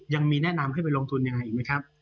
ยังมีแนะนำให้ไปลงทุนยังไงอีกไหมครับ